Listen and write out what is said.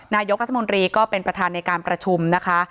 นายกรัฐมนตรีก็เป็นประธานในการประชุมนะคะ